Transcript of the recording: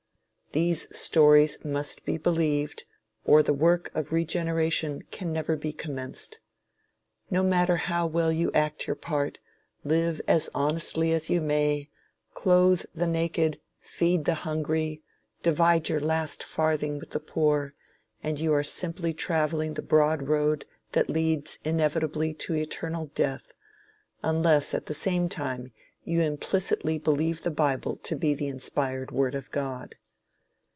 These stories must be believed, or the work of regeneration can never be commenced. No matter how well you act your part, live as honestly as you may, clothe the naked, feed the hungry, divide your last farthing with the poor, and you are simply traveling the broad road that leads inevitably to eternal death, unless at the same time you implicitly believe the bible to be the inspired word of God.